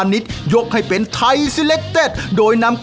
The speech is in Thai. อร่อยเชียบแน่นอนครับอร่อยเชียบแน่นอนครับ